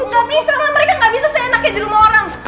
gak bisa mereka gak bisa seenaknya di rumah orang